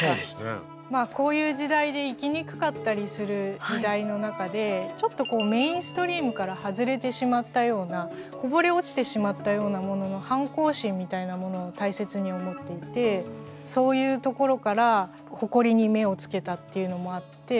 こういう時代で生きにくかったりする時代の中でちょっとこうメインストリームから外れてしまったようなこぼれ落ちてしまったようなものの反抗心みたいなものを大切に思っていてそういうところからほこりに目をつけたっていうのもあって。